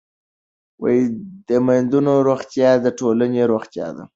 د میندو روغتیا د ټولنې روغتیا ده.